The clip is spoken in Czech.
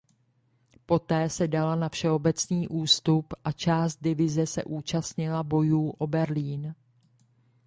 Poté se dala na všeobecný ústup a část divize se účastnila bojů o Berlín.